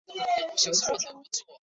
教区包括亚马孙大区南部五省。